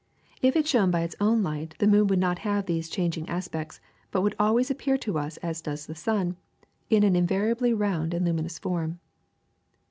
If it shone by its own light the moon would not have these changing aspects, but would always appear to us as does the sun, in an invariably round and luminous form.